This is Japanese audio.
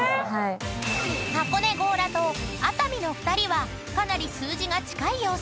［箱根強羅と熱海の２人はかなり数字が近い様子］